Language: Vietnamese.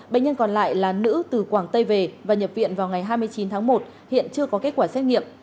bệnh nhân còn lại là nữ từ quảng tây về và nhập viện vào ngày hai mươi chín tháng một hiện chưa có kết quả xét nghiệm